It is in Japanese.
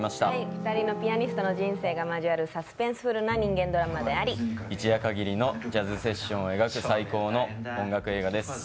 ２人のピアニストの人生が交わるサスペンスフルな人間ドラマであり一夜かぎりのジャズ・セッションを描く最高の音楽映画です。